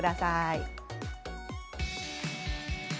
ご覧ください。